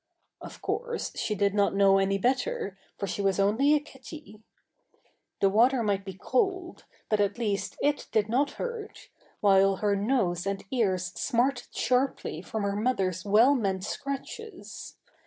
(Of course, she did not know any better, for she was only a kitty.) The water might be cold; but at least it did not hurt, while her nose and ears smarted sharply from her mother's well meant scratches.